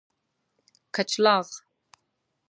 کچلاغ